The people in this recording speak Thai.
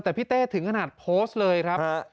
แต่พี่เต้ถึงขนาดโพสต์เลยครับ